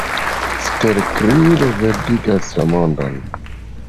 Stelkri reverdigas la mondon.